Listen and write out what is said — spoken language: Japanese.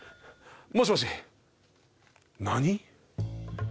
もしもし。